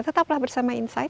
tetaplah bersama insight